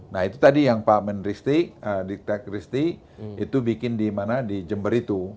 nah itu tadi yang pak menristi diktek risti itu bikin di mana di jember itu